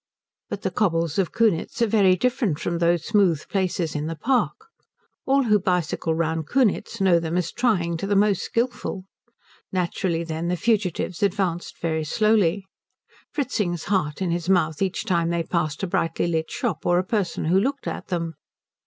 But the cobbles of Kunitz are very different from those smooth places in the park. All who bicycle round Kunitz know them as trying to the most skilful. Naturally, then, the fugitives advanced very slowly, Fritzing's heart in his mouth each time they passed a brightly lit shop or a person who looked at them.